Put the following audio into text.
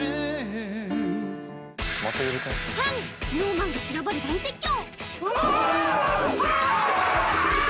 さらにＳｎｏｗＭａｎが修羅場で大絶叫！